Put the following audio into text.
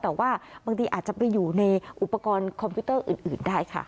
แต่ว่าบางทีอาจจะไปอยู่ในอุปกรณ์คอมพิวเตอร์อื่นได้ค่ะ